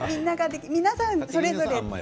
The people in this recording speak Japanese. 皆さんそれぞれ？